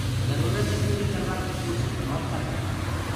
جرورتينٚ پوريٚ ڪروائيٚ ڪوشيشينٚ ڀوَت ڪردآئونٚ